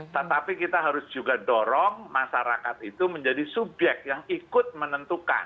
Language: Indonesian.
tetapi kita harus juga dorong masyarakat itu menjadi subyek yang ikut menentukan